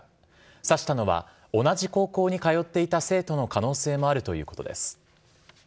刺したのは同じ高校に通っていた生徒の可能性もあるということです。